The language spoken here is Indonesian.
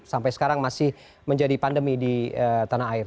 sampai sekarang masih menjadi pandemi di tanah air